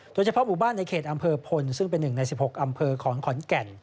โดยเฉพาะหมู่บ้านในเขตอำเภอพลซึ่งเป็น๑ใน๑๖อำเภอของขอนแก่น